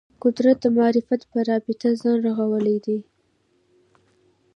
قدرت د معرفت په رابطه ځان رغولی دی